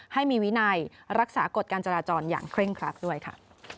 ให้มีวินัยรักษากฎการจราจรอย่างเคร่งครัดด้วยค่ะ